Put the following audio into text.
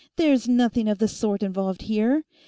There's nothing of the sort involved here.